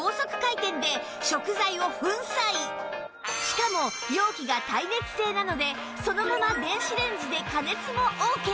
しかも容器が耐熱性なのでそのまま電子レンジで加熱もオーケー